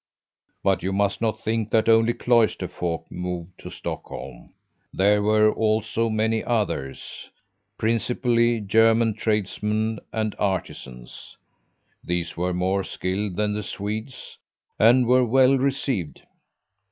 "But you must not think that only cloister folk moved to Stockholm! There were also many others principally German tradesmen and artisans. These were more skilled than the Swedes, and were well received.